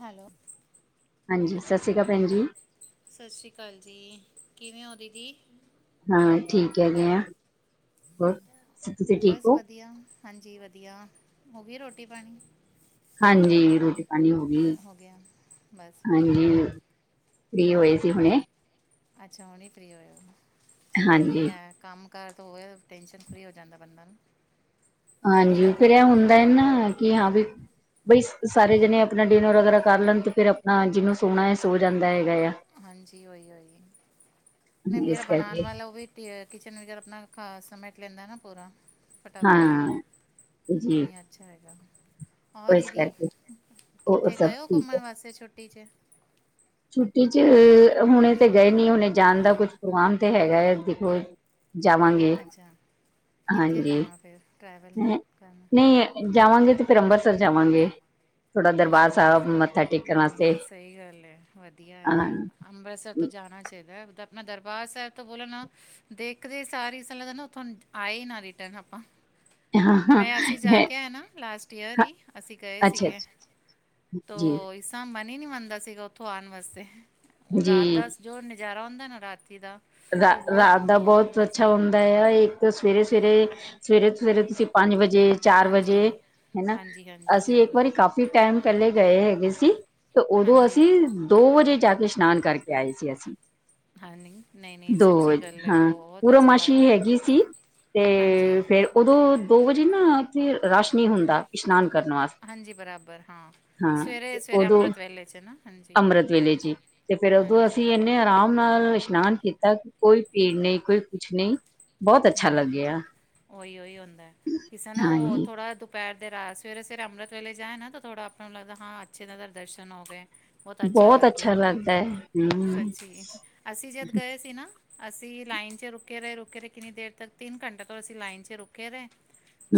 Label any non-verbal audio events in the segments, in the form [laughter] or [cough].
Hello ਹਾਂਜੀ ਸਤਿ ਸ਼੍ਰੀ ਅਕਾਲ ਭੈਣ ਜੀ ਸਤਿ ਸ਼੍ਰੀ ਅਕਾਲ ਜੀ, ਕਿਵੇਂ ਔ ਦੀਦੀ ਹਾਂ ਠੀਕ ਹੈਗੇ ਆਂ, ਹੋਰ ਸ- ਤੁਸੀਂ ਠੀਕ ਬਸ ਹੋ ਵਧੀਆ ਹਾਂਜੀ ਵਧੀਆ ਹੋ ਗਈ ਰੋਟੀ ਪਾਣੀ ਹਾਂਜੀ ਰੋਟੀ ਣੀ ਹੋ ਗਈ ਐ, ਬਸ ਵਹੀ ਹਾਂਜੀ ਫ੍ਰੀ ਹੁਣ ਹੋਏ ਸੀ ਹੁਣੇ ਅੱਛਾ ਹੁਣੇ ਹੀ ਫ੍ਰੀ ਹੋਏ ਔ, ਚਲੋ ਹਾਂਜੀ ਵਧੀਆ ਐ, ਕੰਮ ਕਰ ਤੋਂ ਹੋਵੇ, ਟੈਂਨਸ਼ਨ ਫ੍ਰੀ ਹੋ ਜਾਂਦਾ ਬੰਦਾ ਨ ਹਾਂਜੀ ਫਿਰ ਇਹ ਹੁੰਦਾ ਏ ਨਾ ਕਿ ਹਾਂ ਵੀ ਬਈ ਸਾਰੇ ਜਣੇ ਆਪਣਾ ਡਿਨਰ ਵਗੈਰਾ ਕਰ ਲੈਣ, ਤੇ ਫੇਰ ਆਪਣਾ ਜਿਹਨੂੰ ਸੋਣਾ ਐ, ਸੋ ਜਾਂਦਾ ਹੈਗਾ ਆ। ਹਾਂਜੀ ਉਹੀ ਉਹੀ, ਨਈ ਜਿਹੜਾ ਇਸ ਬਣਾਉਣ ਕਰਕੇ ਵਾਲਾ ਉਹ ਵੀ ਤੇ ਕਿਚਨ ਵਗੈਰਾ ਆਪਣਾ ਖਾ ਸਮੈਟ ਲੈਂਦਾ ਨਾ ਪੂਰਾ ਫਟਾਫਟ ਹਾਂ ਹ ਜੀ ਐ ਅੱਛਾ ਹੈਗਾ, ਉਹ ਹਾਂ ਇਸ ਦੀਦੀ ਕਰਕੇ ਉਹ ਕਿੱਥੇ ਸਭ ਗਏ ਹੋ ਠੀਕ ਹੈ ਘੁੰਮਣ ਵਾਸਤੇ ਛੁੱਟੀ ਚ ਛੁੱਟੀ ਚ, ਹੁਣੇ ਤੇ ਗਏ ਨੀ ਹੁਣੇ ਜਾਣ ਦਾ ਕੁਛ ਪ੍ਰੋਗਰਾਮ ਤੇ ਹੈਗਾ ਹੈ ਦੇਖੋ ਜਾਵਾਂਗੇ, ਅੱਛਾ ਕਿੱਥੇ ਹਾਂਜੀ, ਜਾਣਾ ਫਿਰ ਟਰੈਵਲ ਕਰਨਾ ਨਈਂ ਐ ਜਾਵਾਂਗੇ ਤੇ ਫਿਰ ਅੰਬਰਤਸਰ ਜਾਵਾਂਗੇ ਥੋੜਾ ਅੱਛਾ ਦਰਬਾਰ ਸਾਹਿਬ ਅੰਮ੍ਰਿਤਸਰ ਮੱਥਾ ਟੇਕਣ ਨਹੀਂ ਵਾਸਤੇ ਨਹੀਂ ਸਹੀ ਗੱਲ ਹੈ ਵਧੀਆ ਹੈ ਹਾਂ ਅੰਮ੍ਰਿਤਸਰ ਤੋਂ ਜਾਣਾ ਚਾਹੀਦਾ ਐ, ਆਪਣਾ ਦਰਬਾਰ ਸਾਹਿਬ ਤੋਂ ਬੋਲੋ ਨਾ, ਦੇਖਦੇ ਸਾਰੀ ਈ ਐਸਾ ਲਗਦਾ ਨਾ ਉੱਥੋਂ ਆਏ ਈ ਨਾ ਰਿਟਰਨ ਆਪਾਂ ਮੈਂ ਅਸੀਂ ਜਾ ਕੇ ਆਇ ਨਾ ਲਾਸਟ ਈਅਰ ਈ, ਅਸੀਂ ਗਏ ਅੱਛਾ ਅੱਛਾ ਸੀਗੇ ਤੋ ਜੀ ਇਸ ਤਾਂ ਮਨ ਹੀ ਨਹੀਂ ਮੰਨਦਾ ਸੀਗਾ ਉੱਥੋਂ ਆਉਣ ਵਾਸਤੇ, ਉਹ ਜੀ ਰਾਤ ਦਾ ਜੋ ਨਜ਼ਾਰਾ ਹੁੰਦਾ ਨਾ ਰਾਤੀ ਦਾ ਰਾ ਉਹ ਬਹੁਤ ਰਾਤ ਦਾ ਬਹੁਤ ਅੱਛਾ ਹੁੰਦਾ ਮਸੰਦ ਆ ਇਹ ਸਵੇਰੇ ਸਵੇਰੇ, ਸਵੇਰੇ ਤੋਂ ਸਵੇਰੇ ਤੁਸੀਂ ਪੰਜ ਵਜੇ ਚਾਰ ਹਾਂਜੀ ਵਜੇ, ਹੈਨਾ, ਹਾਂਜੀ ਹਾਂਜੀ ਅਸੀਂ ਇੱਕ ਜ਼ਰੂਰ ਵਾਰੀ ਕਾਫੀ ਟਾਈਮ ਪਹਿਲੇ ਗਏ ਹੈਗੇ ਸੀ। ਤੇ ਉਦੋਂ ਹਾਂਜੀ ਅਸੀਂ, ਦੋ ਵਜੇ ਜਾ ਕੇ ਇਸ਼ਨਾਨ ਕਰਕੇ ਆਏ ਸੀ ਅਸੀਂ ਹਾਂ ਨਹੀਂ, ਨਹੀਂ-ਨਹੀਂ ਦੋ ਸੱਚੀ ਵਜੇ, ਗੱਲ ਹੈ ਹਾਂ ਬਹੁਤ ਅੱਛਾ ਪੂਰਮਾਸ਼ੀ ਲੱਗਦਾ ਹੈ। ਹੈਗੀ ਸੀ ਹਾਂਜੀ, ਤੇ ਫੇਰ ਉਦੋਂ ਦੋ ਵਜੇ ਨਾ ਰੱਸ਼ ਨਹੀਂ ਹੁੰਦਾ, ਇਸ਼ਨਾਨ ਕਰਨ ਵਾਸਤੇ ਹਾਂਜੀ ਬਰਾਬਰ ਹਾਂ, ਹਾਂ ਸਵੇਰੇ ਤੇ ਸਵੇਰੇ ਉਦੋਂ ਅੰਮ੍ਰਿਤ ਵੇਲੇ ਚ ਨਾ ਹਾਂਜੀ, ਅੰਮ੍ਰਿਤ ਵੇਲੇ ਜੀ, ਤੇ ਫੇਰ ਉਦੋਂ ਹਾਂਜੀ, ਅਸੀਂ ਇੰਨੇ ਆਰਾਮ ਨਾਲ ਇਸ਼ਨਾਨ ਕੀਤਾ, ਕੋਈ ਭੀੜ ਨਹੀਂ, ਕੋਈ ਕੁਛ ਨਹੀਂ ਬਹੁਤ ਅੱਛਾ ਹਾਂ ਲੱਗਿਆ ਉਹੀ ਉਹੀ ਹੁੰਦਾ, ਕਿਸੇ ਨਾ ਉਹ ਹਾਂਜੀ ਥੋੜਾ ਧੂਪ ਦੁਪਹਿਰ ਦੇ ਰੈ, ਸਵੇਰੇ-ਸਵੇਰੇ ਅੰਮ੍ਰਿਤ ਵੇਲੇ ਜਾਏ ਨਾ ਥੋੜਾ ਆਪਾਂ ਨੂੰ ਲੱਗਦਾ, ਹਾਂ ਅੱਛੇ ਇਹਨਾਂ ਦੇ ਦਰਸ਼ਨ ਹੋ ਗਏ। ਬਹੁਤ ਅੱਛਾ ਲੱਗਿਆ ਲੱਗਦਾ ਹੈ ਹਮ ਸੱਚੀ, ਅਸੀਂ ਜਦ ਗਏ ਸੀ ਨਾ ਅਸੀਂ ਲਾਈਨ ਚ ਰੁਕੇ ਰਹੇ ਰੁਕੇ ਰਹੇ, ਕਿੰਨੀ ਦੇਰ ਤੱਕ ਤਿੰਨ ਘੰਟੇ ਤੋਂ ਅਸੀਂ ਲਾਈਨ ਚ ਰੁਕੇੇ ਰਹੇ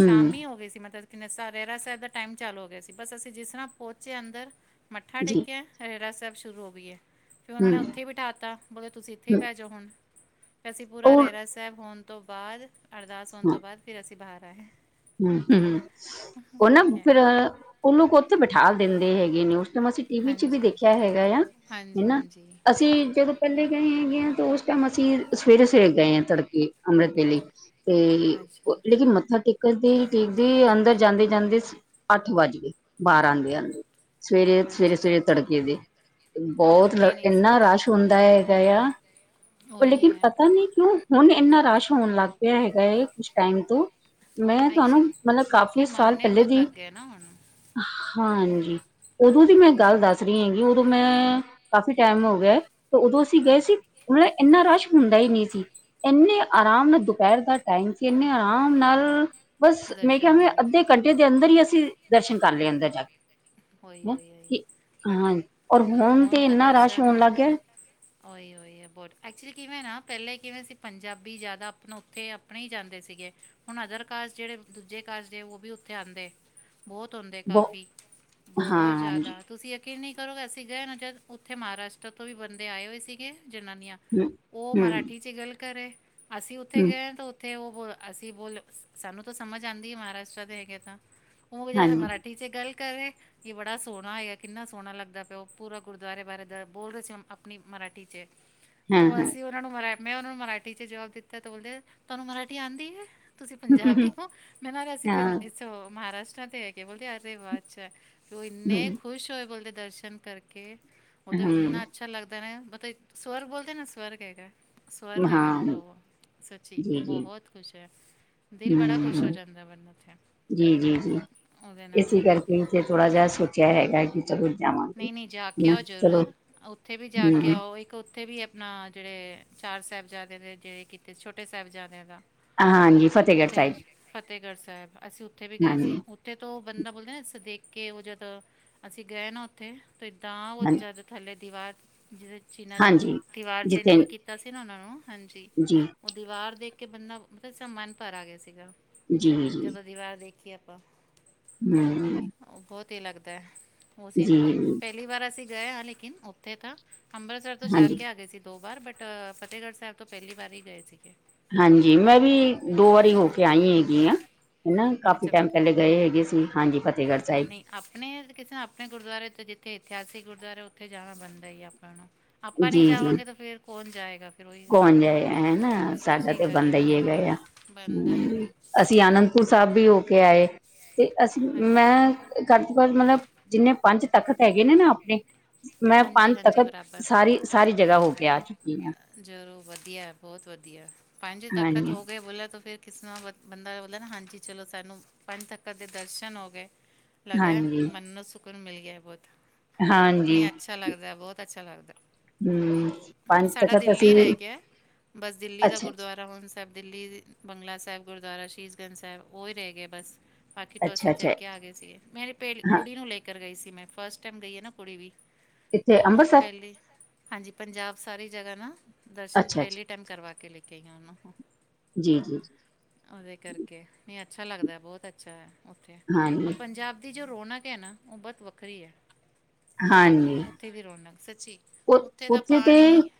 ਹਮ ਈ ਹੋ ਗਈ ਸੀ ਮਤਲਬ ਰਹਿਰਾਸ ਸਾਹਿਬ ਦਾ ਟਾਈਮ ਚਾਲੂ ਹੋ ਗਿਆ ਸੀ, ਬਸ ਅਸੀਂ ਜਿਸ ਤਰ੍ਹਾਂ ਪਹੁੰਚੇ ਆ ਅੰਦਰ, ਮੱਥਾ ਜੀ ਟੇਕਿਆ ਰਹਿਰਾਸ ਸਾਹਿਬ ਸ਼ੁਰੂ ਹੋ ਗਈ ਐ, ਫਿਰ ਉਹਨਾਂ ਨੇ ਹਮ ਉੱਥੇ ਹੀ ਬਿਠਾ ਦਿੱਤਾ ਬੋਲ ਤੁਸੀਂ ਇੱਥੇ ਹੀ ਹਮ ਬਹਿ ਜਾਓ ਹੁਣ ਫੇਰ ਅਸੀਂ ਪੂਰਾ ਔਰ ਰੇਰਾਸ ਸਾਬ ਹੋਨ ਤੋਂ ਬਾਦ ਅਰਦਾਸ ਹੋਨ ਤੋਂ ਬਾਦ ਫੇਰ ਅਸੀਂ ਬਾਰ ਆਏ। ਹੂੰ-ਹੂੰ, ਓ ਨਾ ਠੀਕ ਹੈ ਫਿਰ ਓਨੂੰ ਓਥੇ ਬਿਠਾ ਦਿੰਦੇ ਹੈਗੇ ਨੇ ਉਸ ਟੈਮ ਅਸੀ ਟੀਵੀ ਚ ਵੀ ਹਾਂਜੀ ਦੇਖੇਆ ਹੈਗਾ ਆ ਹਾਂਜੀ ਹੈਨਾ, ਹਾਂਜੀ ਅਸੀਂ ਜਦੋਂ ਕੱਲੇ ਗਏ ਹੈਗੇ ਆਂ ਤੇ ਓਸ ਟੈਮ ਅਸੀਂ ਸਵੇਰੇ-ਸਵੇਰੇ ਗਏ ਆਂ ਤੜਕੇ ਅੰਮ੍ਰਿਤ ਦੇ ਲਈ। ਤੇ ਅੱਛਾ ਲੇਕਿਨ ਮੱਥਾ ਟੇਕ ਦੇ ਟੇਕਦੇ ਅੰਦਰ ਜਾਂਦੇ-ਜਾਂਦੇ ਅੱਠ ਵੱਜ ਗੇ ਬਾਰ ਆਂਦੇ-ਆਂਦੇ ਹਾਂਜੀ ਸਵੇਰੇ-ਸਵੇਰੇ-ਸਵੇਰੇ ਤੜਕੇ ਦੇ। ਬੋਤ ਨਹੀਂ ਨਹੀਂ ਸਰ ਐਨਾ ਰਸ਼ ਹੁੰਦਾ ਹੈਗਾ ਧੁੰਦਲਾ ਆ, ਉਹੀ ਲੇਕਿਨ ਹੈ ਪਤਾ ਨੀ ਕਿਓਂ ਹੁਨ ਏਨਾ ਰਸ਼ ਹੋਣ ਲੱਗ ਪਿਆ ਹੈਗਾ ਏ ਕੁਛ ਟਾਈਮ ਤੋਂ ਮੈਂ ਤਆਨੂੰ ਐਕਚੁਲੀ ਮਤਲਬ ਕਾਫੀ ਲੋਕੀ ਸਾਲ ਮੰਨਨੇ ਪੈਲੇ ਬਹੁਤ ਦੀ ਲੱਗ ਗਏ ਨਾ ਹੁਣ ਹਾਂਜੀ, ਓਦੋਂ ਦੀ ਮੈਂ ਇਹੀ ਹੈ ਗੱਲ ਦੱਸ ਰਈ ਹੈਗੀ ਓਦੋਂ ਮੈਂ ਕਾਫ਼ੀ ਟੈਮ ਹੋ ਗੇਆ ਤੇ ਓਦੋਂ ਅਸੀਂ ਗਏ ਸੀ। ਹਾਂਜੀ ਮਤਲਬ ਏਨਾ ਰਸ਼ ਹੁੰਦਾ ਈ ਨੀ ਸੀ। ਏਨੇ ਆਰਾਮ ਨਾਲ ਦੁਪੈਰ ਦਾ ਟਾਈਮ ਸੀ ਏਨੇ ਆਰਾਮ ਨਾਲ ਬਸ ਮੈਂ ਦਰਸ਼ਨ ਕਿਆ ਆਉਂਦੇ ਸੀ ਅੱਧੇ ਘੰਟੇ ਦੇ ਅੰਦਰ ਈ ਅਸੀਂ ਦਰਸ਼ਨ ਕਰ ਲਏ ਅੰਦਰ ਜਾ ਉਹੀ ਕੇ। ਉਹੀ ਉਹੀ ਕੀ ਬਟ ਹਾਂ ਔਰ ਹੁਨ ਤੇ ਏਨਾ ਰਸ਼ ਹੋਨ ਲਾਗੇਆ [inaudible] ਓਈ-ਓਈ ਐ ਬੋਤ ਐਕਚੁਲੀ ਕਿਵੇ ਨਾ ਪੈਲੇ ਕਿਵੇ ਸੀ ਪੰਜਾਬੀ ਜਾਦਾ ਆਪਨਾ ਓਥੇ ਆਪਨੇ ਈ ਜਾਂਦੇ ਸੀਗੇ। ਹੁਨ ਅਦਰ ਕਾਸ ਜੇੜੇ ਦੂਜੇ ਕਾਸਟ ਦੇ ਓ ਵੀ ਓਥੇ ਆਂਦੇ ਬੋਤ ਔਂਦੇ ਬਹੁ ਕਾਫੀ। ਬਹੁ ਹਾਂਜੀ ਜਾਦਾ ਤੁਸੀਂ ਏ ਯਕੀਨ ਨੀ ਕਰੋਗੇ ਅਸੀਂ ਗਏ ਨਾ ਜਦ ਔਥੇ ਮਹਾਰਾਸ਼ਟਰ ਤੋਂ ਵੀ ਬੰਦੇ ਆਏ ਹੋਏ ਸੀਗੇ ਜਨਾਨੀਆ। ਹੂੰ ਓ ਹੂੰ ਮਰਾਠੀ ਚ ਗੱਲ ਕਰੇ, ਅਸੀਂ ਓਥੇ ਹੂੰ ਗਏ ਆਂ ਤਾਂ ਓ ਤੇ ਓ ਬੋਲ ਅਸੀਂ ਬੋਲ ਸਾਨੂੰ ਤਾਂ ਸਮਜ ਆਂਦੀ ਐ ਮਹਾਰਾਸ਼ਟਰ ਦੇ ਹੈਗੇ ਤਾਂ, ਊਂ ਜਾਦਾ ਹਾਂਜੀ। ਮਰਾਠੀ ਚ ਗੱਲ ਕਰੇ ਕੀ ਬੜਾ ਸੋਨਾ ਹੈਗਾ ਕਿੰਨਾ ਸੋਨਾ ਲੱਗਦਾ ਪਿਆ ਓ ਪੂਰਾ ਗੁਰਦੁਆਰੇ ਬਾਰੇ ਦਾ ਬੋਲ ਰਏ ਸੀ ਆਪਨੀ ਮਰਾਠੀ ਚ। ਤੋ ਅਸੀਂ ਓਨਾ ਨੂੰ ਮੈਂ ਓਨਾਂ ਨੂੰ ਮਰਾਠੀ ਚ ਜਵਾਬ ਦਿੱਤਾ ਤੇ ਬੋਲਦੇ ਐ ਤਾਨੂੰ ਮਰਾਠੀ ਆਂਦੀ ਐ। ਤੁਸੀਂ ਪੰਜਾਬੀ ਓਂ ਮੈਂ ਨਾ ਅਸੀਂ ਸੋ ਮਹਾਰਾਸ਼ਟਰਾਂ ਤੇ ਹੈਗੇ ਬੋਲਦੇ ਅਰੇ ਵਾ ਅੱਛਾ। ਓ ਏਨੇ ਖੁਸ਼ ਹੋਏ ਬੋਲਦੇ ਦਰਸ਼ਨ ਕਰਕੇ ਬੋਲਦੇ ਏਨਾ ਅੱਛਾ ਲੱਗਦਾ ਨਾ ਮਤਲਬ ਸਵਰਗ ਬੋਲਦੇ ਨਾ ਸਵਰਗ ਹੈਗਾ। ਸਵਰਗ ਹੈਗਾ ਪੂਰਾ ਓ ਸੱਚੀ ਜੀ। ਬਹੋਤ ਕੁਛ ਐ। ਦਿਲ ਬੜਾ ਖੁਸ਼ ਹੂੰ, ਹੋ ਜਾਂਦਾ ਬੰਦੇ ਦਾ ਓਥੇ। ਜੀ, ਜੀ, ਜੀ ਇਸੀ ਕਰਕੇ ਇਥੇ ਥੋੜਾ ਜਾ ਸੋਚੇਆ ਹੈਗਾ ਕੀ ਚਲੋ ਜਾਵਾਂਗੇ। ਨਈਂ-ਨਈਂ ਜਾ ਕੇ ਨਾ ਆਓ ਚਲੋ ਜਰੂਰ ਔਥੇ ਵੀ ਜਾ ਕੇ ਹੂੰ, ਆਓ ਇੱਕ ਔਥੇ ਵੀ ਐ ਨਾ ਜੇੜੇ ਚਾਰ ਸਾਹਿਬਜ਼ਾਦਿਆਂ ਦੇ ਜੇੜੇ ਕਿਤੇ ਛੋਟੇ ਸਾਹਿਬਜ਼ਾਦਿਆਂ ਦਾ ਹਾਂਜੀ ਫਤਿਹਗੜ੍ਹ ਓਥੇ ਸਾਹਿਬ ਫ਼ਤਿਹਗੜ੍ਹ ਸੈਬ ਅਸੀਂ ਓਥੇ ਵੀ ਗਏ ਹਾਂਜੀ, ਸੀ। ਓਥੇ ਤੋਂ ਓ ਬੰਦਾ ਬੋਲਦੇ ਨਾ ਅ ਦੇਖ ਕੇ ਓ ਜਦ ਅਸੀਂ ਗਏ ਨਾ ਓਥੇ ਤੇ ਇੱਦਾਂ ਓ ਹਾਂ ਜਦ ਥੱਲੇ ਦੀਵਾਰ ਜੀਦੇ ਚ ਚੀਨਾ ਹਾਂਜੀ। ਦੀਵਾਰ ਚਿਨ ਕੇ ਜਿੱਥੇ ਕੀਤ ਕੀਤਾ ਸੀ ਨਾ ਓਨਾਂ ਨੂੰ ਹਾਂਜੀ ਜੀ, ਓ ਦੀਵਾਰ ਦੇਖ ਕੇ ਬੰਦਾ ਮਤਲਬ ਮਨ ਭਰ ਆ ਗੇਆ ਸੀਗਾ। ਜੀ-ਜੀ। ਜਦੋਂ ਦੀਵਾਰ ਦੇਖ ਕੇ ਆਪਾਂ ਹੂੰ। ਬੋਤ ਈ ਲੱਗਦਾ ਓ ਸੀਨ, ਜੀ, ਪੈਲੀ ਵਾਰ ਅਸੀਂ ਗਏ ਆਂ ਲੇਕਿਨ ਓਥੇ ਤਾਂ ਅੰਬਰਸਰ ਤੋਂ ਜਾ ਹਾਂਜੀ। ਕੇ ਆ ਗਏ ਸੀ ਦੋ ਵਾਰ, ਬਟ ਫਤਿਹਗੜ ਸੈਬ ਤੋਂ ਪੈਲੀ ਵਾਰ ਈ ਗਏ ਸੀਗੇ। ਹਾਂਜੀ, ਮੈਂ ਵੀ ਦੋ ਵਾਰੀ ਹੋ ਕੇ ਆਈ ਹੈਗੀ ਆਂ। ਹਨਾ ਕਾਫੀ ਅੱਛਾ ਟੈਮ ਪੈਲੇ ਗਏ ਫਤਿਹਗੜ੍ਹ ਹੈਗੇ ਸੀ ਹਾਂਜੀ ਫਤਿਹਗੜ ਸਾਇਬ ਨਹੀਂ ਆਪਣੇ ਕਿਸੇ ਆਪਣੇ ਗੁਰਦੁਆਰੇ ਤੇ ਜਿੱਥੇ ਇਤਿਹਾਸਿਕ ਗੁਰਦੁਆਰਾ ਉੱਥੇ ਜਾਨਾ ਬਨਦਾ ਹੀ ਆਪਾਂ ਨੂੰ। ਆਪਾਂ ਨੀ ਜੀ, ਜੀ। ਜਾਵਾਂਗੇ ਤਾਂ ਫੇਰ ਕੌਨ ਜਾਏਗਾ। ਫਿਰ ਉਹੀ ਗੱਲ ਹੈ ਕੌਣ ਨਾ ਜਾਏਗਾ ਹੈ ਨਾ ਸਾਡਾ ਸੱਚੀ ਤੇ ਗੱਲ ਹੈ ਬੰਦਾ ਹੀ ਹਾਂਜੀ ਹੈਗਾ ਆ ਬਣਦਾ ਹੈ ਹਮ। ਅਸੀਂ ਆਨੰਦਪੁਰ ਸਾਹਬ ਵੀ ਹੋ ਕੇ ਆਏ ਤੇ ਅਸੀਂ ਹਾਂਜੀ ਮੈਂ ਘੱਟ ਤੋਂ ਘੱਟ ਮਲਬ ਜਿੰਨੇ ਪੰਜ ਤਖ਼ਤ ਹੈਗੇ ਨੇ ਨਾ ਆਪਨੇ ਮੈਂ ਹਾਂਜੀ ਪੰਜ ਹਾਂਜੀ ਤਖ਼ਤ ਬਰਾਬਰ ਸਾਰੀ ਸਾਰੀ ਜਗਾ ਹੋ ਕੇ ਆ ਚੁੱਕੀ ਆ। ਜ਼ਰੂਰ ਵਧੀਆ ਬੋਹਤ ਵਧੀਆ ਪੰਜ ਤੱਖਤ ਹਾਂਜੀ ਹੋ ਗਏ ਬੋਲਾਂ ਤੋਂ ਫਿਰ ਕਿਸਰਾ ਬ ਬੰਦਾ ਬੋਲਦਾ ਨਾ ਹਾਂਜੀ ਚਲੋ ਸਾਨੂੰ ਪੰਜ ਤੱਖਤ ਦੇ ਦਰਸ਼ਨ ਹੋ ਗੇ। ਲੱਗਦਾ ਹਾਂਜੀ ਮਨ ਨੂੰ ਸੁਕੂਨ ਮਿਲ ਗਿਆ ਬੌਤ ਨੀ ਹਾਂਜੀ ਅੱਛਾ ਲੱਗਦਾ ਬੌਤ ਅੱਛਾ ਲੱਗਦਾ। ਹੂੰ ਹੈ। ਸਾਡਾ ਦਿੱਲੀ ਰਹ ਗਿਆ, ਬਸ ਦਿੱਲੀ ਦਾ ਅੱਛਾ ਗੁਰਦੁਆਰਾ [unintelligible] ਸੈਬ ਦਿੱਲੀ ਬੰਗਲਾ ਸੈਬ ਗੁਰਦੁਆਰਾ ਸ਼ੀਸ਼ਗੰਜ ਸੈਬ ਓਈ ਰਹ ਗਏ ਬਸ। ਬਾਕੀ ਤੋਂ ਅੱਛਾ ਅਸੀਂ ਅੱਛਾ ਦੇਖ ਕੇ ਆ ਗਏ ਸੀਗੇ, ਮੇਰੇ ਪੇਲ ਹਾਂ ਕੁੜੀ ਨੂੰ ਲੈ ਗਈ ਸੀ ਮੈਂ ਫਸਟ ਟੈਮ ਗਈ ਆ ਨਾ ਕੁੜੀ ਵੀ ਇੱਥੇ ਤੋਂ ਉਹਨੂੰ ਅੰਮ੍ਰਿਤਸਰ ਪਹਲੀ ਹਾਂਜੀ ਪੰਜਾਬ ਸਾਰੀ ਜਗ੍ਹਾ ਨਾ ਦਰਸ਼ਨ ਅੱਛਾ ਅੱਛਾ ਪੈਲੇ ਟੈਮ ਕਰਵਾ ਕੇ ਲੈ ਕੇ ਆਈ ਓਨੂੰ। ਜੀ ਜੀ ਜੀ ਉਦੇ ਕਰਕੇ ਨਈ ਅੱਛਾ ਲੱਗਦਾ ਬੌਤ ਅੱਛਾ ਹੈ ਉੱਥੇ ਔਰ ਹਾਂਜੀ ਪੰਜਾਬ ਦੀ ਜੋ ਰੌਣਕ ਹੈ ਨਾ ਓ ਬੋਤ ਵੱਖਰੀ ਐ। ਹਾਂਜੀ। ਵੀ ਰੌਨਾਕ ਸੱਚੀ ਉ ਉੱਥੇ ਦਾ ਪਾ [unintelligible]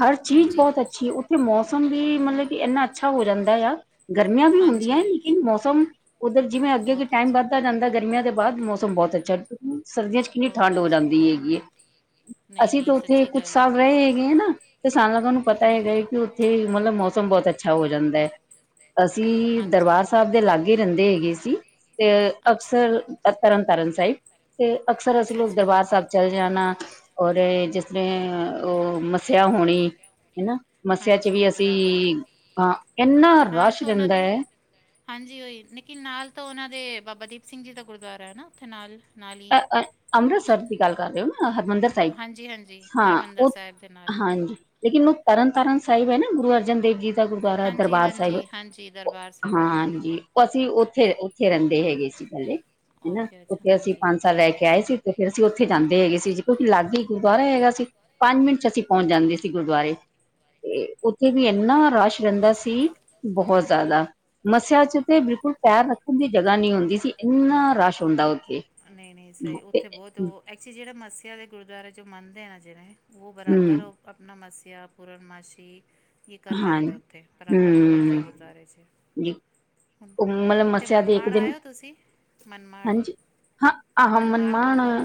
ਹਰ ਚੀਜ਼ ਬੌਤ ਅੱਛੀ ਓ ਥੇ ਮੌਸਮ ਵੀ ਮਲਬ ਕਿ ਐਨਾ ਅੱਛਾ ਹੋ ਜਾਂਦਾ ਆ। ਗਰਮੀਆਂ ਵੀ ਹੁੰਦੀਆਂ ਹਾਂਜੀ ਲੇਕਿਨ ਮੌਸਮ ਉੱਧਰ ਜਿਵੇਂ ਅੱਗੇ-ਅੱਗੇ ਬਹੁਤ ਟੈਮ ਅੱਛਾ ਵੱਧ ਦਾ ਜਾਂਦਾ ਗਰਮੀਆ ਦੇ ਬਾਦ ਮੌਸਮ ਬੌਤ ਅੱਛਾ ਸਰਦੀਆ ਚ ਕਿੰਨੀ ਬਹੁਤ ਠੰਡ ਹੋ ਅੱਛਾ ਜਾਂਦੀ ਹੈਗੀ ਏ। ਨਹੀਂ ਅਸੀਂ ਤੇ ਨਹੀਂ ਉੱਥੇ ਸੱਚੀ ਕੁਛ ਗੱਲ ਹੈ ਸਾਲ ਰਹੇ ਹੈਗੇ ਹੈ ਨਾ, ਤੇ ਸਾਨ ਲੋਕਾਂ ਨੂੰ ਪਤਾ ਹਾਂਜੀ ਹੈਗਾ ਕਿ ਥੇ ਮਲਬ ਮੌਸਮ ਬੌਤ ਅੱਛਾ ਹੋ ਜਾਂਦਾ ਹੈ। ਅਸੀਂ ਹਾਂਜੀ ਦਰਬਾਰ ਸਾਬ ਦੇ ਲਾਗੇ ਰਹਿੰਦੇ ਹੈਗੇ ਸੀ ਤੇ ਅੱਛਾ ਅਕਸਰ ਤਰਨ ਤਾਰਨ ਸਾਹਿਬ ਤੇ ਅਕਸਰ ਅਸੀਂ ਅੱਛਾ ਲੋਕ ਅੱਛਾ ਦਰਬਾਰ ਸਾਹਿਬ ਹਾਂਜੀ ਚਲ ਜਾਨਾ ਔਰ ਜਿਸ ਦਿਨ ਓ ਮੱਸਿਆ ਹੋਣੀ ਹਨਾ ਮੱਸਿਆ ਚ ਹਾਂਜੀ ਵੀ ਅਸੀਂ ਬਰਾਬਰ ਅ ਇੰਨਾ ਨਾਲ ਰਸ਼ ਤਾਂ ਉਹਨਾਂ ਰਿੰਦਾ। ਦੇ ਹਾਂਜੀ ਓਈ ਲੇਕਿਨ ਨਾਲ ਤਾਂ ਉਹਨਾਂ ਦੇ ਬਾਬਾ ਦੀਪ ਸਿੰਘ ਜੀ ਦਾ ਗੁਰਦੁਆਰਾ ਹੈ ਨਾ ਉੱਥੇ ਨਾਲ, ਨਾਲ ਹੀ। ਅੰਮ੍ਰਿਤਸਰ ਦੀ ਗੱਲ ਕਰ ਰਹੇ ਹੋ ਨਾ ਹਰਿਮੰਦਰ ਬ ਹਾਂਜੀ ਹਾਂਜੀ ਹਾਂ ਹਰਿਮੰਦਰ ਉ ਸਾਹਿਬ ਦੇ ਨਾਲ ਹਾਂਜੀ ਲੇਕਿਨ ਉਹ ਤਰਨਤਾਰਨ ਸਾਹਿਬ ਹੈ ਨਾ ਗੁਰੂ ਅਰਜਨ ਦੇਵ ਜੀ ਗੁਰਦੁਆਰਾ ਐ ਹਾਂਜੀ ਦਰਬਾਰ ਸਾਹਿਬ ਹਾਂਜੀ ਹਾਂਜੀ ਦਰਬਾਰ ਸਾਹਿਬ ਜੀ ਹਾਂਜੀ। ਅਸੀਂ ਓਥੇ-ਓਥੇ ਰਹਿੰਦੇ ਹੈਗੇ ਸੀ ਪੈਲੇ। ਓਕੇ ਅੱਛਾ ਹਾਂਜੀ। ਓਕੇ ਲੈ ਕੇ ਆਏ ਸੀ ਤੇ ਫੇਰ ਅਸੀਂ ਉੱਥੇ ਜਾਂਦੇ ਹੈਗੇ ਸੀ ਜੇ ਕੋਈ ਲਾਗੇ ਹੀ ਗੁਰਦੁਆਰਾ ਹੈਗਾ ਸੀ। ਪੰਜ ਮਿੰਟ ਚ ਅਸੀਂ ਪੋਚ ਜਾਂਦੇ ਸੀ ਗੁਰਦੁਆਰੇ। ਉੱਥੇ ਵੀ ਇੰਨਾ ਰਸ਼ ਰਹਿੰਦਾ ਸੀ ਬੋਹਤ ਜਾਦਾ। ਮੱਸਿਆ ਚ ਬਿਲਕੁਲ ਪੈਰ ਰੱਖਨ ਦੀ ਜਗ੍ਹਾ ਨੀ ਹੁੰਦੀ ਸੀ ਇੰਨਾ ਰਸ਼ ਹੁੰਦਾ ਉੱਥੇ। ਨਈ-ਨਈ ਸਹੀ ਉੱਥੇ ਬੋਤ ਉਹ ਐਕਚੁਲੀ ਜਿਹੜੇ ਮੱਸਿਆ ਦੇ ਗੁਰਦੁਆਰੇ ਚ ਮੰਨਦੇ ਨਾ ਜਿਵੇ ਓ ਬਰਾਬਰ ਹਮ ਆਪਣਾ ਮੱਸਿਆ, ਪੂਰਨਮਾਸ਼ੀ ਕੀ ਕਰ ਹਾਂ ਲੈਂਦੇ ਉੱਥੇ ਬਰਾਬਰ ਪੋਚਦੇ ਹਮ ਗੁਰਦੁਆਰੇ ਚ। ਹੁਣ ਉਹ ਮਲਬ ਇੱਥੇ ਮੱਸਿਆ ਦੀ ਇਕ ਮਨਮਾੜ ਦਿਨ ਆਇਓ ਤੁਸੀਂ ਮਨਮਾੜ ਹਾਂਜੀ ਹ ਆਹੋ ਮਨਮਾੜ ਮਨਮਾਣ ਗੁਰਦੁਆਰਾ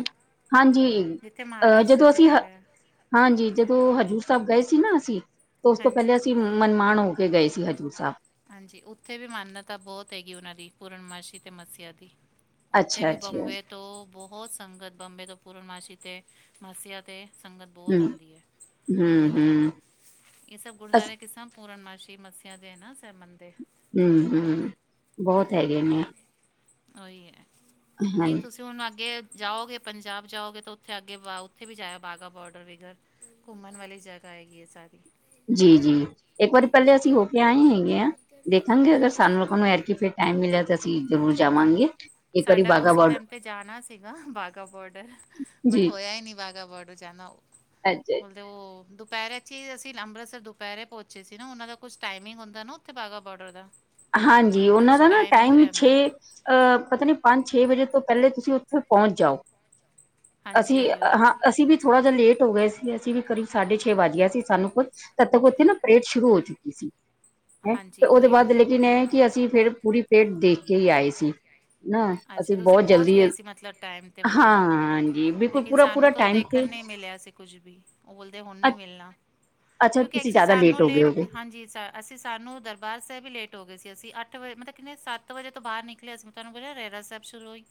ਹਾਂਜੀ ਜਿੱਥੇ ਅਹ ਮਹਾਰਾਸ਼ਟਰ ਜਦੋਂ 'ਚ ਅਸੀਂ ਹ ਹੈਗਾ ਹਾਂਜੀ, ਜਦੋਂ ਹਜ਼ੂਰ ਸਾਹਿਬ ਗਏ ਸੀ ਨਾ, ਅਸੀਂ ਤਾਂ ਉਸ ਤੋਂ ਪਹਿਲੇ ਹਾਂਜੀ ਅਸੀਂ ਮਨਮਾਨ ਹੋ ਕੇ ਗਏ ਸੀ, ਹਜ਼ੂਰ ਸਾਹਿਬ। ਹਾਂਜੀ, ਉੱਥੇ ਵੀ ਮਾਨਤਾ ਬਹੁਤ ਹੈਗੀ। ਉਨਾਂ ਦੀ ਪੂਰਨਮਾਸ਼ੀ ਤੇ ਮੱਸਿਆ ਦੀ ਉੱਥੇ ਅੱਛਾ ਵੀ ਅੱਛਾ ਬੰਬੇ ਤੋਂ ਬਹੁਤ ਸੰਗਤ, ਬੰਬੇ ਤੋਂ ਪੂਰਨਮਾਸੀ 'ਤੇ ਮਸੀਆ 'ਤੇ ਸੰਗਤ ਬਹੁਤ ਹਮ ਆਂਦੀ ਏ, ਹਮ ਦੂਰੋਂ -ਦੂਰੋਂ। ਹਮ ਕਿ ਸਭ ਅਸ ਗੁਰਦੁਆਰੇ ਕਿ ਸਭ ਪੂਰਨਮਾਸ਼ੀ ਮੱਸਿਆ ਦੇ ਨਾ ਸੇਬਮਨ ਦੇ ਹੂੰ-ਹੂੰ, ਬਹੁਤ ਹੈਗੇ ਨੇ। ਆਈ ਏ, ਨਈ ਹਾਂਜੀ ਤੁਸੀਂ ਹੁਨ ਅੱਗੇ ਜਾਓਗੇ, ਪੰਜਾਬ ਜਾਓਗੇ, ਤੇ ਉਥੇ ਅੱਗੇ ਉੱਥੇ ਵੀ ਜਾਏਆ, ਬਾਗਾ ਬੋਡਰ ਵੀ ਅਗਰ। ਘੁੰਮਨ ਵਾਲੀ ਜਗ੍ਹਾ ਹੈਗੀ ਏ ਸਾਰੀ। ਜੀ-ਜੀ ਏਕ ਵਾਰੀ ਪਹਿਲੇ ਅਸੀਂ ਹੋ ਕੇ ਆਏ ਹੈਗੇ ਆਂ, ਦੇਖਾਂਗੇ ਅਗਰ ਸਾਨੂੰ ਲੋਕਾ ਅੱਛਾ। ਨੂੰ ਐਰਕੀ ਫੇਰ ਟਾਈਮ ਮਿਲਿਆ ਤੇ ਅਸੀਂ ਜ਼ਰੂਰ ਜਾਵਾਂਗੇ। ਇੱਕ ਵਾਰੀ ਸਾਡਾ ਬਾਘਾ ਉਸ ਬੋਡ ਟੈਮ ਤੇ ਜਾਨਾ ਸੀਗਾ, ਬਾਘਾ ਬਾਰਡਰ-ਬਟ ਹੋਇਆ ਹੀ ਨੀ ਬਾਘਾ ਬਾਰਡਰ ਜਾਨਾ। ਹਾਂਜੀ। ਮਤਲਬ ਓ ਦੁਪਹੇਰੇ 'ਚ ਹੀ ਅਸੀਂ ਅੰਮ੍ਰਿਤਸਰ ਦੁਪਹੇਰੇ ਪਹੁੰਚੇ ਸੀ ਨਾ, ਉਨਾਂ ਦਾ ਕੁਛ ਟਾਈਮਿੰਗ ਹੁੰਦਾ ਨਾ। ਕੇ ਬਾਗਾ ਬਡਰ ਦਾ। ਹਾਂਜੀ, ਉਹ ਉਨਾਂ ਕੁਛ ਦਾ ਨਾ ਟਾਈਮਿੰਗ ਟਾਇਮ ਛੇ ਰਹਿੰਦਾ ਅ ਪਤਾ ਨੀ ਪੰਜ-ਛੇ ਵਜੇ ਤੋਂ ਪਹਿਲੇ ਤੁਸੀਂ ਉੱਥੇ ਪਹੁੰਚ ਜਾਓ, ਹਾਂਜੀ ਅਸੀਂ ਉਹੀ ਅ ਉਹੀ ਹਾਂ ਅਸੀਂ ਵੀ ਥੋੜ੍ਹਾ ਜੇਹਾ ਲੇਟ ਹੋ ਗਏ ਸੀ, ਅਸੀਂ ਕਰੀਬ ਸਾਢੇ ਛੇ ਵੱਜ ਗੇਆ ਸੀ, ਸਾਨੂੰ ਖੁੱਦ ਤਦ ਤੱਕ ਉੱਥੇ ਨਾ ਪਰੇਡ ਸ਼ੁਰੂ ਹੋ ਚੁੱਕੀ ਸੀ, ਹੈ ਤੇ ਹਾਂਜੀ ਉਦੇ ਉਹੀ ਬਾਅਦ ਉਹੀ ਹੈਂ, ਕਿ ਅਸੀਂ ਫੇਰ ਪੂਰੀ ਪਰੇਡ ਦੇਖ ਕੇ ਹੀ ਆਏ ਸੀ। ਨਾ ਅੱਛਾ ਅਸੀਂ ਤੁਸੀਂ ਬਹੁਤ ਪਹੁੰਚ ਜਲਦੀ- ਗਏ ਸੀ ਮਤਲਬ ਟਾਈਮ 'ਤੇ ਮਤਲਬ ਹਾਂ- ਹਾਂਜੀ, ਬਿਲਕੁਲ ਪੂਰਾ-ਪੂਰਾ ਟਾਈਮ ਤੇ ਦੇਖਨ ਨਹੀਂ ਮਿਲਿਆ ਸੀ, ਕੁੱਝ ਵੀ ਬੋਲਦੇ ਹੁਨ ਨੀ ਅ ਮਿਲਨਾ। ਅੱਛਾ ਕਿਉਂਕਿ ਏਕ ਤੁਸੀਂ ਸੀ ਜ਼ਿਆਦਾ ਸਾਨੂੰ ਹੋ ਗਏ ਲੇਟ ਹੋਗੇ ਹਾਂਜੀ, ਸਰ ਅਸੀਂ ਸਾਨੂੰ ਦਰਬਾਰ ਸਾਹਿਬ ਹੀ ਲੇਟ ਹੋ ਗਏ ਸੀ, ਅਸੀਂ ਅੱਠ ਵਜੇ, ਮਤਲਬ ਕਿੰਨੇ ਸੱਤ ਵਜੇ ਤੋਂ ਬਾਹਰ ਨਿ ਕਲੇ ਤਾਨੂੰ ਪਤਾ ਏ, ਰਹਿਰਾਸ ਸਾਹਿਬ ਸ਼ੁਰੂ ਹੋਈ।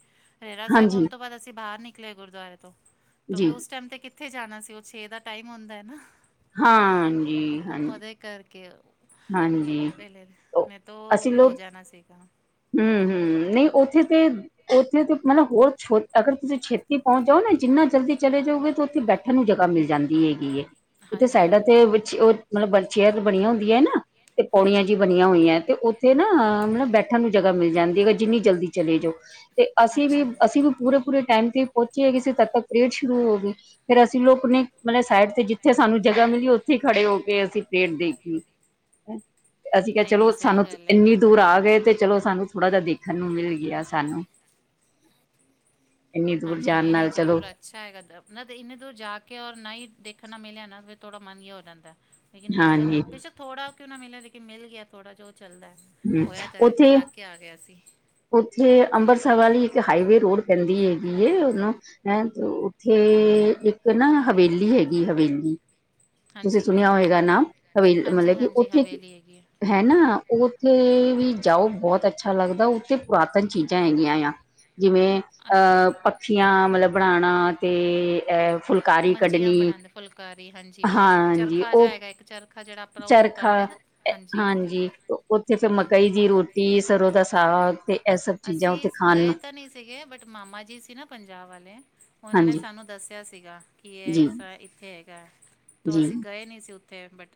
ਰਹਿਰਾਸ ਸਾਹਿਬ ਹਾਂਜੀ ਹੋਨ ਤੋਂ ਬਾਅਦ ਅਸੀਂ ਬਾਹਰ ਨਿਕਲੇ ਗੁਰਦੁਆਰੇ ਤੋਂ। ਤੇ ਫੇਰ ਜੀ ਉਸ ਟਾਈਮ ਤੇ ਕਿੱਥੇ ਜਾਨਾ ਸੀ, ਓ ਛੇ ਦਾ ਟਾਈਮ ਹੁੰਦਾ ਨਾ। ਹੁੰ ਹਾਂਜੀ ਅ ਹਾਂਜੀ ਉਦੇ ਕਰਕੇ ਹਾਂਜੀ ਪਹਿਲੇ ਮੈਂ ਤੋਂ ਓ ਵੀ ਹੋ ਜਾਨਾ ਸੀਗਾ। ਹੂੰ -ਹੂੰ, ਨਈ ਉੱਥੇ ਤੇ ਉੱਥੇ ਤੇ ਮਤਲਬ ਹੋਰ ਛੋਟਾ ਆ, ਅਗਰ ਤੁਸੀਂ ਛੇਤੀ ਪਹੁੰਚ ਜਾਓ ਨਾ, ਜਿੰਨਾ ਜਲਦੀ ਚਲੇ ਜਾਓਗੇ ਤੇ ਉੱਥੇ ਬੈਠ ਠਨ ਨੂੰ ਜਗ੍ਹਾ ਮਿਲ ਜਾਂਦੀ ਹੈਗੀ ਏ। ਉੱਥੇ ਹਾਂਜੀ ਸਾਈਡਾਂ ਉਹੀ ਉਹੀ ਤੇ ਵਿੱਚ ਓ ਮਤਲਬ ਚੇਅਰ ਬਨੀਆਂ ਹੁੰਦੀਆਂ ਹੈ ਨਾ। ਉੱਥੇ ਪੋੜੀਆਂ ਜਿਹੀ ਹਾਂਜੀ ਬਨੀਆਂ ਹੋਈਆਂ, ਤੇ ਉੱਥੇ ਨਾ ਮਤਲਬ ਬੈਠਨ ਨੂੰ ਜਗ੍ਹਾ ਮਿਲ ਜਾਂਦੀ ਹੈ ਬਈ। ਜਿੰਨੀ ਜਲਦੀ ਚਲੇ ਜਾਓ, ਤੇ ਅਸੀਂ ਵੀ ਅੱਛਾ ਅਸੀਂ ਵੀ ਪੂਰੇ- ਪੂਰੇ ਟਾਈਮ ਤੇ ਪਹੁੰਚੇ ਹੀ ਸੀ, ਤਦ ਤੱਕ ਪਰੇਡ ਸ਼ੁਰੂ ਹੋ ਗਈ। ਫੇਰ ਅਸੀਂ ਲੋਕ ਨੇ, ਮਤਲਬ ਸਾਈਡ ਤੇ ਜਿੱਥੇ ਸਾਨੂੰ ਜਗ੍ਹਾ ਮਿਲੀ। ਉੱਥੇ ਈ ਖੜੇ ਹੋ ਕੇ ਅਸੀਂ ਪਰੇਡ ਦੇਖ ਲੀ। ਅਸੀਂ ਕਿਹਾ, ਨਹੀਂ ਚਲੋ ਨਹੀਂ ਸਹੀ ਸਾਨੂੰ ਗੱਲ ਹੈ ਏਨੀ ਨਾ ਦੂਰ ਆ ਗਏ ਤੇ ਚਲੋ ਸਾਨੂੰ ਥੋੜਾ ਜਿਹਾ ਦੇਖਣ ਨੂੰ ਮਿਲ ਗੇਆ ਸਾਨੂੰ। ਇੰਨੀ ਦੂਰ, ਜਾਨ ਨਾਲ ਚਲੋ। ਅੱਛਾ ਹੈਗਾ, ਓਧਰ ਨਾ ਤੇ ਇੰਨੇ ਦੂਰ ਜਾ ਕੇ ਔਰ ਨਾ ਈ ਦੇਖਨ ਨਾ ਮਿਲਿਆ ਨਾ, ਫੇਰ ਥੋੜਾ ਮਨ ਜੇਹਾ ਹੋ ਜਾਂਦਾ ਐ। ਲੇਕਿਨ ਦੇਖਨ ਹਾਂਜੀ ਬੇਸ਼ੱਕ। ਥੋੜਾ ਕਿਉਂ ਨਾ ਮਿਲੇ, ਲੇਕਿਨ ਮਿਲ ਗਿਆ ਥੋੜ੍ਹਾ ਜੋ ਚੱਲਦਾ ਹੈ। ਹਮ ਹੋਇਆ ਤੇ, ਜਾ ਕੇ ਆ ਗਿਆ ਸੀ। ਉਥੇ ਅੰਬਰਸਰ ਵਾਲੀ ਇੱਕ ਹਾਈਵੇ ਰੋਡ ਪੈਂਦੀ ਹੈਗੀ ਏ ਉਹਨੂੰ। ਹੈਂ, ਤੇ ਉਥੇ ਇਕ ਨਾ ਹਵੇਲੀ ਹੈਗੀ ਹਵੇਲੀ ਤੁਸੀ ਹਾਂਜੀ, ਸੁਨਿਆ ਹੋਏਗਾ ਨਾਮ, ਹਵੇ-ਮਤਲਬ ਕਿ ਹਾਂਜੀ-ਹਾਂਜੀ ਉਥੇ ਹਵੇਲੀ ਹੈਗੀ ਹੈ ਨਾ ਓ ਉਥੇ ਵੀ ਜਾਓ ਬਹੁਤ ਅੱਛਾ ਲੱਗਦਾ ਉਥੇ ਪੁਰਾਤਨ ਚੀਜਾ ਹੈਗੀਆਂ ਆ ਜਿਵੇ ਅੱਛਾ ਅਹ ਪੱਖੀਆਂ ਮਤਲਬ ਬਣਾਉਣਾ ਤੇ ਅਹ ਮੰਜੀਆਂ ਬਣਾਉਦੇ ਫੁਲਕਾਰੀ ਹਾਂਜੀ ਓਹੀ ਹਾਂਜੀ ਚਰਖਾ ਜਹਾ ਉਹ ਹੈਗਾ ਇੱਕ ਚਰਖਾ ਜਿਹੜਾ ਆਪਣਾ ਉਹ ਚਰਖਾ ਕਰਦੇ ਨਾ। ਹਾਂਜੀ ਉਥੇ ਫੇਰ ਉਹੀ ਹੈ। ਮਕਈ ਦੀ ਰੋਟੀ, ਸਰੋਂ ਦਾ ਸਾਗ ਤੇ ਇਹ ਸਭ ਚੀਜ਼ਾਂ ਅਸੀ ਉੱਥੇ ਖਾਣ ਗਏ ਨੂੰ ਤਾਂ ਨਹੀ ਸੀਗੇ ਬਟ ਮਾਮਾ ਜੀ ਸੀ ਨਾ ਪੰਜਾਬ ਵਾਲੇ ਉਹਨਾ ਨੇ ਹਾਂਜੀ ਸਾਨੂੰ ਦੱਸ ਦੱਸਿਆ ਸੀਗਾ ਕਿ ਇਹ ਜੀ ਇਸ ਇੱਥੇ ਹੈਗਾ ਤ ਜੀ ਅਸੀਂ ਗਏ ਨਹੀ ਸੀ ਉਥੇ ਬਟ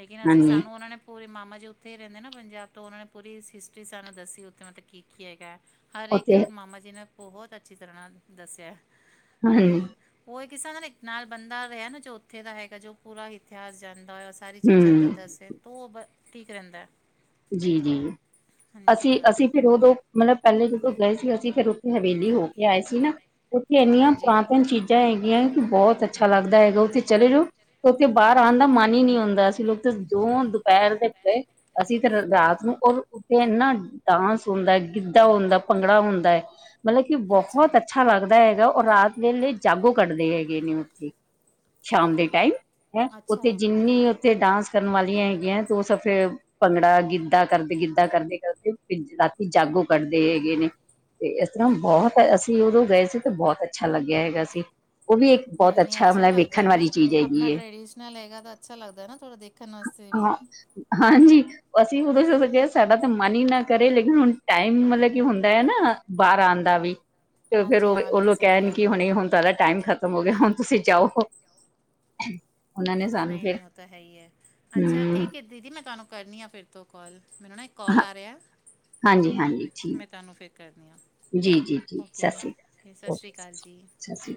ਲੇਕਿਨ ਅਸੀ ਹਾਂਜੀ ਸਾਨੂੰ ਉਹਨਾਂ ਨੇ ਪੂਰੇ ਮਾਮਾ ਜੀ ਉਥੇ ਹੀ ਰਹਿੰਦੇ ਨਾ ਪੰਜਾਬ ਤੋਂ ਉਹਨਾਂ ਨੇ ਪੂਰੀ ਹਿਸਟਰੀ ਸਾਨੂੰ ਦੱਸੀ ਉਥੇ ਮਤਲਬ ਕੀ ਕੀ ਹੈਗਾ ਹਰੇਕ ਉੱਥੇ ਚੀਜ ਮਾਮਾ ਜੀ ਨੇ ਬਹੁਤ ਅੱਛੀ ਤਰ੍ਹਾਂ ਨਾਲ ਦੱਸਿਆ। ਹਾਂਜੀ ਉਹ ਕਿਸ ਤਰ੍ਹਾਂ ਦਾ ਇੱਕ ਨਾਲ ਬੰਦਾ ਰਿਹਾ ਨਾ ਜੋ ਉਥੇ ਦਾ ਹੈਗਾ ਜੋ ਪੂਰਾ ਇਤਿਹਾਸ ਜਾਂਣਦਾ ਹੋਏ। ਸਾਰੀ ਚੀਜਾ ਦਾ ਹਮ ਦੱਸੇ ਤੁ ਉਹ ਠੀਕ ਰਹਿੰਦਾ। ਜੀ- ਜੀ ਹਾਂਜੀ ਅਸੀ- ਬਾਈ ਅਸੀ ਫਿਰ ਉਦੋ ਮਤਲਬ ਪਹਿਲੇ ਜਦੋ ਗਏ ਸੀ ਅਸੀ ਫਿਰ ਉਥੇ ਹਵੇਲੀ ਹੋ ਕੇ ਆਏ ਸੀ ਨਾ ਉਥੇ ਇੰਨੀਆਂ ਹਾਂਜੀ ਪੁਰਾਤਨ ਚੀਜਾ ਹੈਗੀਆਂ ਕਿ ਬਹੁਤ ਅੱਛਾ ਲੱਗਦਾ ਹੈਗਾ। ਅ ਉਥੇ ਚਲੇ ਜਾਓ ਤਾਂ ਉਥੋ ਬਾਹਰ ਆਉਣ ਦਾ ਮਨ ਹੀ ਨਹੀ ਹੁੰਦਾਸੀ ਲੋਕ ਤਾਂ ਦੋ ਦੁਪਹਿਰ ਗਏ। ਫਿਰ ਰਾਤ ਨੂੰ ਉਥੇ ਨਾ ਡਾਂਸ ਹੁੰਦਾ ਗਿੱਧਾ ਹੁੰਦਾ ਭੰਗੜਾ ਹੁੰਦਾ ਹੈ। ਮਤਲਬ ਕਿ ਬਹੁਤ ਅੱਛਾ ਲੱਗਦਾ ਹੈਗਾ ਰਾਤ ਵੇਲੇ ਜਾਗੋ ਕੱਢਦੇ ਹੈਗੇ ਨੇ ਉਥੇ। ਸ਼ਾਮ ਦੇ ਟਾਈਮ ਹੈ ਉਥੇ ਅੱਛਾ ਜਿੰਨੀ ਉਥੇ ਡਾਂਸ ਕਰਨ ਵਾਲੀਆਂ ਹੈਗੀਆਂ ਤੇ ਉਹ ਫਿਰ ਭੰਗੜਾ ਗਿੱਧਾ ਕਰਦੇ ਗਿੱਧਾ ਕਰਦੇ- ਕਰਦੇ ਰਾਤੀ ਜਾਗੋ ਕੱਢਦੇ ਹੈਗੇ ਨੇ। ਤੇ ਇਸ ਤਰ੍ਹਾਂ ਬਹੁਤ ਅਸੀ ਉਦੋ ਗਏ ਸੀ ਤੇ ਬਹੁਤ ਅੱਛਾ ਲਗਿਆ ਹੈਗਾ ਸੀ। ਉਹ ਵੀ ਇੱਕ ਬਹੁਤ ਨਹੀ ਨਹੀ ਅੱਛਾ ਮਤਲਬ ਵੇਖਣ ਲਗਦਾ ਨਾ ਵਾਲੀ ਚੀਜ਼ ਹੈਗੀ ਆਪਣਾ ਏ ਟ੍ਰੈਡੀਸ਼ਨਲ ਹੈਗਾ ਤਾਂ ਅੱਛਾ ਲਗਦਾ ਥੋੜ੍ਹਾ ਦੇਖ‍ ਕਸਤੇ ਵੀ ਹਾਂ [unintelligible] ਹਾਂਜੀ ਅਸੀ ਉਦੋ ਦੋ ਗਏ ਸਾਡਾ ਤਾਂ ਮਨ ਹੀ ਨਾ ਕਰੇ ਲੇਕਿਨ ਹੁਣ ਟਾਈਮ ਮਤਲਬ ਕੀ ਹੁੰਦਾ ਹੈ ਨਾ ਬਾਹਰ ਆਉਣ ਦਾ ਵੀ। ਤੇ ਫਿਰ ਹਾਂਜੀ ਹਾਂ ਨਹੀਂ ਉਹ ਸਹੀ ਕਹਿਣ ਗੱਲ ਕਿ ਹੈ ਹੁਣ- ਹੁਣ ਤਾ ਟਾਈਮ ਖਤਮ ਹੋਗੇ ਹੁਣ ਤੁਸੀ ਜਾਓ। ਉਹਨਾਂ ਨੇ ਸਾਨੂੰ ਨਹੀ ਫਿਰ ਨਹੀ ਉਹ ਤਾਂ ਹੈ ਹੀ ਹੈ ਅੱਛਾ ਹਮ ਠੀਕ ਹੈ ਦੀਦੀ ਮੈ ਤੁਹਾਨੂੰ ਕਰਨੀ ਆ ਫਿਰ ਤੋ ਕਾਲ ਮੈਨੂੰ ਨਾ ਕਾਲ ਆ ਰਿਹਾ ਹਾਂਜੀ ਹਾਂਜੀ ਮੈ ਠੀਕ ਤੁਹਾਨੂੰ ਫੇਰ ਕਰਦੀ ਹਾ। ਜੀ ਜੀ ਜੀ ਓਕੇ ਸਤਿ ਸ਼੍ਰੀ ਸਤਿ ਸ਼੍ਰੀ ਓਕੇ ਅਕਾਲ ਜੀ। ਸਤਿ ਸ਼੍ਰੀ ਅਕਾਲ।